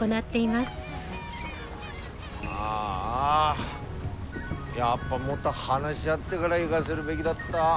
ああやっぱもっと話し合ってがら行がせるべきだった。